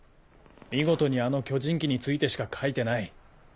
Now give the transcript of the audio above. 見事にあの巨人機についてしか書いてない。